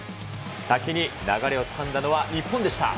先に流れをつかんだのは日本でした。